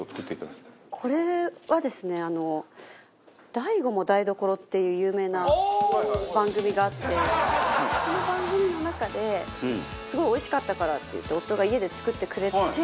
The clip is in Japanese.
『ＤＡＩＧＯも台所』っていう有名な番組があってその番組の中ですごいおいしかったからっていって。